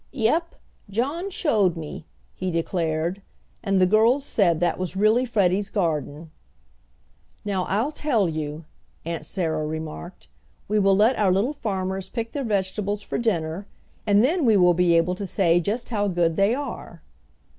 "Yep! John showed me," he declared, and the girls said that was really Freddie's garden. "Now I'll tell you," Aunt Sarah remarked. "We will let our little farmers pick their vegetables for dinner, and then we will be able to say just how good they are."